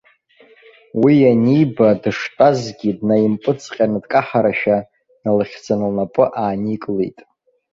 Уи аниба, дыштәазгьы, днаимпыҵҟьаны дкаҳарашәа, дналыхьӡаны лнапы ааникылеит.